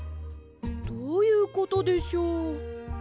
どういうことでしょう？